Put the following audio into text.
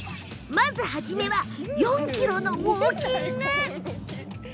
まず初めは４ｋｍのウォーキング。